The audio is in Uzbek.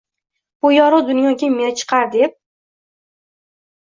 «Bu yorug’ dunyoga meni chiqar», deb